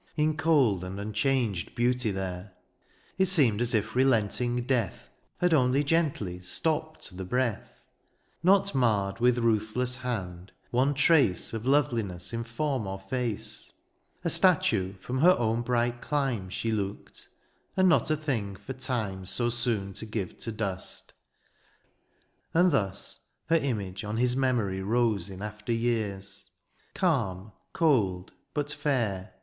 In cold and imchanged beauty there : It seemed as if relenting death Had only gently stopped tlie breath. Not marred with ruthless hand one trace Of loveliness in form or face : A statue from her own bright clime She looked ; and not a thing for time So soon to give to dust : and thus Her image on his memory rose In after years, calm, cold, but fair.